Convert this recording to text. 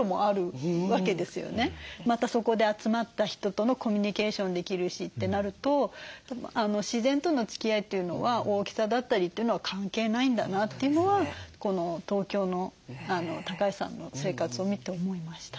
またそこで集まった人とのコミュニケーションできるしってなると自然とのつきあいというのは大きさだったりというのは関係ないんだなっていうのはこの東京の橋さんの生活を見て思いました。